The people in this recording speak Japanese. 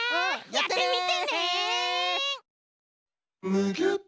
やってみてね！